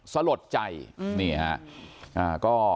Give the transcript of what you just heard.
สลดใจนี่ครับ